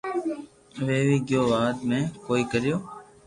ويوي گيو ياد ھي ڪوئي ڪريو